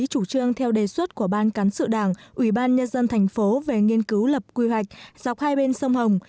chủ trương theo đề xuất của ban cán sự đảng ủy ban nhân dân thành phố về nghiên cứu lập quy hoạch dọc hai bên sông hồng